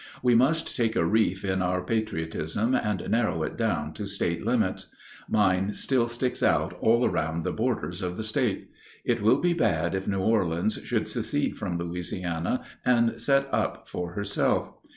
We must take a reef in our patriotism and narrow it down to State limits. Mine still sticks out all around the borders of the State. It will be bad if New Orleans should secede from Louisiana and set up for herself.